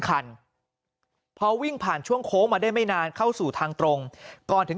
คันพอวิ่งผ่านช่วงโค้งมาได้ไม่นานเข้าสู่ทางตรงก่อนถึง